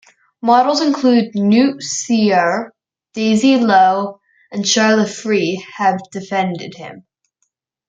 Models including Noot Seear, Daisy Lowe and Charlotte Free have defended him.